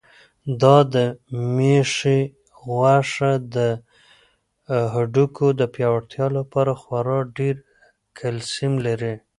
دا د مېښې غوښه د هډوکو د پیاوړتیا لپاره خورا ډېر کلسیم لري.